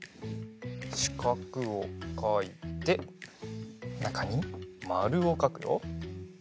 しかくをかいてなかにまるをかくよ。